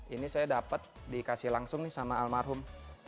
ini saya dapat dikasih langsung nih sama almarhum